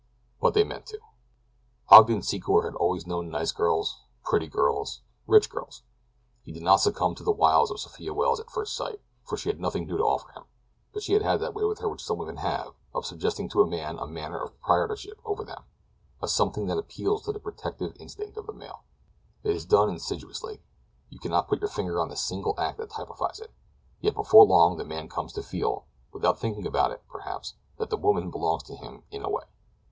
But they meant to. Ogden Secor had always known nice girls, pretty girls, rich girls. He did not succumb to the wiles of Sophia Welles at first sight, for she had nothing new to offer him; but she had that way with her which some women have of suggesting to a man a manner of proprietorship over them—a something that appeals to the protective instinct of the male. It is done insidiously; you cannot put your finger on a single act that typifies it; yet before long the man comes to feel, without thinking about it, perhaps, that the woman belongs to him in a way.